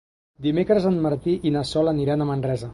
Dimecres en Martí i na Sol aniran a Manresa.